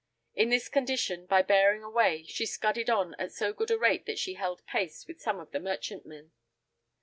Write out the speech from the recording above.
In this condition, by bearing away, she scudded on at so good a rate that she held pace with some of the merchantmen.